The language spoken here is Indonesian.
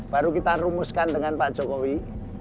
baru kita rumuskan dengan pak jokowi